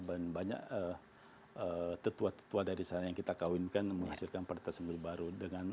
dan banyak tetua tetua dari sana yang kita kahwinkan menghasilkan paretas unggul baru